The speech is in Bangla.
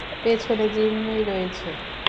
পেছনে জিম্মি রয়েছে।